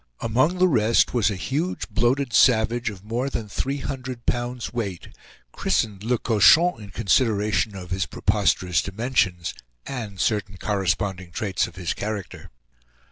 Among the rest was a huge bloated savage of more than three hundred pounds' weight, christened La Cochon, in consideration of his preposterous dimensions and certain corresponding traits of his character.